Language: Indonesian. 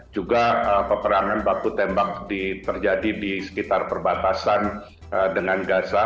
juga peperangan baku tembak terjadi di sekitar perbatasan dengan gaza